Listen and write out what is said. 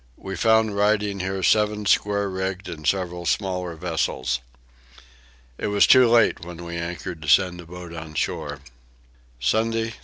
We found riding here seven square rigged and several smaller vessels. It was too late when we anchored to send a boat on shore. Sunday 13.